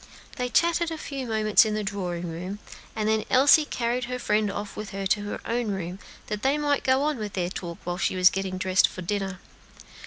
They chatted a few moments in the drawing room, and then Elsie carried her friend off with her to her own room, that they might go on with their talk while she was getting dressed for dinner.